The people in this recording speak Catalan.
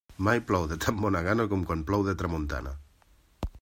Mai plou de tan bona gana com quan plou de tramuntana.